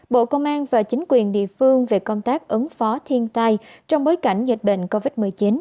bộ công an và chính quyền địa phương về công tác ứng phó thiên tai trong bối cảnh dịch bệnh covid một mươi chín